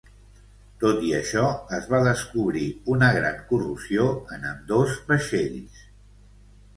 Tot i això, es va descobrir una gran corrosió en ambdós vaixells.